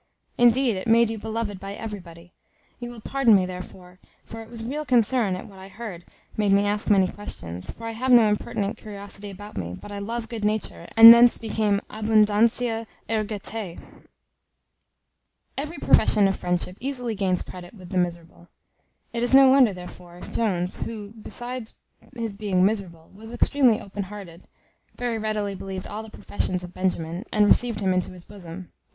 Indeed, it made you beloved by everybody. You will pardon me, therefore; for it was real concern at what I heard made me ask many questions; for I have no impertinent curiosity about me: but I love good nature and thence became amoris abundantia erga te." Every profession of friendship easily gains credit with the miserable; it is no wonder therefore, if Jones, who, besides his being miserable, was extremely open hearted, very readily believed all the professions of Benjamin, and received him into his bosom.